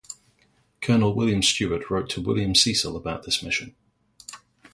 Colonel William Stewart wrote to William Cecil about this mission.